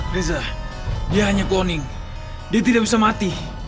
reza dia hanya kuning dia tidak bisa mati